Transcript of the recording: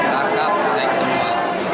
takak naik semua